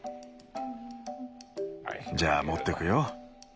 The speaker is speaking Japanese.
じゃあ持ってくよ。